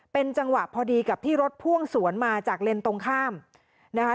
เป็นจังหวะพอดีกับที่รถพ่วงสวนมาจากเลนส์ตรงข้ามนะคะ